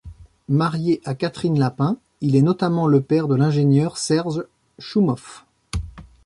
Marié à Catherine Lapin, il est notamment le père de l'ingénieur Serge Choumoff.